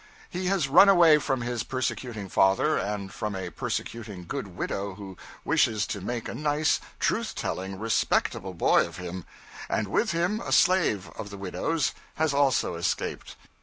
He has run away from his persecuting father, and from a persecuting good widow who wishes to make a nice, truth telling, respectable boy of him; and with him a slave of the widow's has also escaped.